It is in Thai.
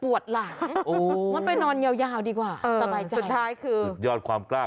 อุดยอดความกล้า